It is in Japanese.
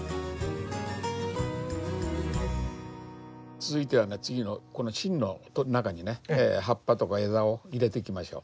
続いてはね次のこの芯の中にね葉っぱとか枝を入れていきましょう。